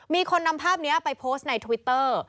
มีคนนำภาพนี้ไปโพสต์ในทวิตเตอร์